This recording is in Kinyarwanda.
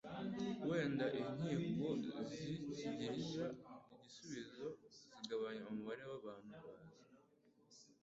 Wenda inkiko zakigirira igisubizo zigabanya umubare w'abantu baza,